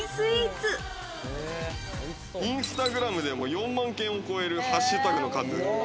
インスタグラムでも４万件を超えるハッシュタグの数。